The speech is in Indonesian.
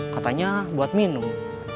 katanya buat minum